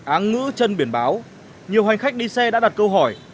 áng ngữ chân biển báo nhiều hành khách đi xe đã đặt câu hỏi